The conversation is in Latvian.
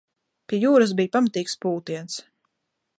Pie jūras bija pamatīgs pūtiens.